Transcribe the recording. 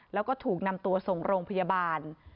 แล้วก็ถูกนำตัวส่งโรงพยาบาล